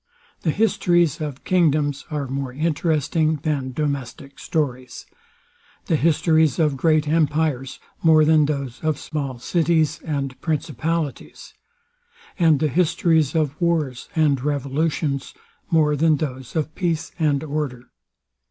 The histories of kingdoms are more interesting than domestic stories: The histories of great empires more than those of small cities and principalities: And the histories of wars and revolutions more than those of peace and order.